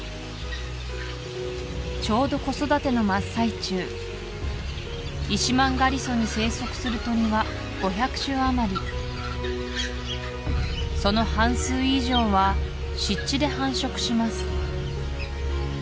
ちょうど子育ての真っ最中イシマンガリソに生息する鳥は５００種あまりその半数以上は湿地で繁殖します